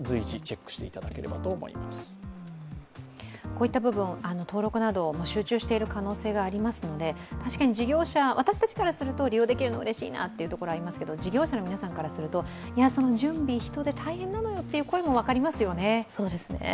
こういった部分、登録など、集中している可能性もありますので確かに私たちからすると利用できるのはうれしいですが事業者の皆さんからすると、その準備、人で大変なのよという声も分かりますよね。